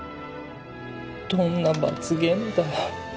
どんな罰ゲームだよ